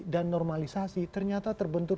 dan normalisasi ternyata terbentur